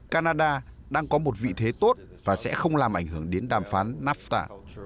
canada đang có một vị thế tốt và sẽ không làm ảnh hưởng đến đàm phán nafta